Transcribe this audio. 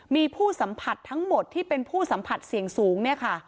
มีผู้สัมผัสทั้งหมดที่เป็นผู้สัมผัสเสี่ยงสูง